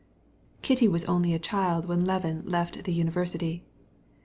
Kitty was still a child when Levin left the university.